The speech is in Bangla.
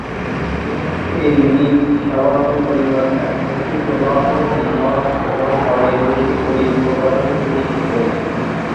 এই ডিস্ক সামান্য পরিমাণ একমুখী প্রবাহ বিভব এবং অনেক বেশি তড়িৎ প্রবাহের সৃষ্টি করেছিল।